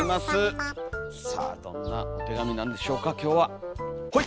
さあどんなお手紙なんでしょうか今日はほい！